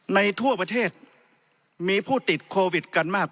ทั่วประเทศมีผู้ติดโควิดกันมาก